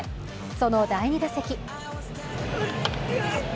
その第２打席。